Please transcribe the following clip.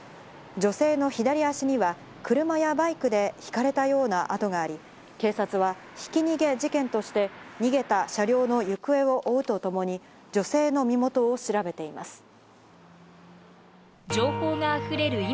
女性の左足には車やバイクでひかれたような痕があり、警察はひき逃げ事件として逃げた車両の行方を追うとともに女性の身元を調べています。